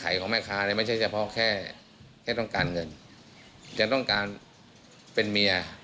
อยากน้องการเป็นเมีย